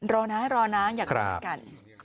รอนะรอนะอย่างนั้นกัน